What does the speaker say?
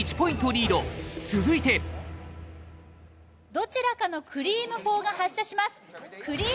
リード続いてどちらかのクリーム砲が発射します